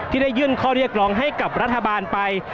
ได้ยื่นข้อเรียกร้องให้กับรัฐบาลไป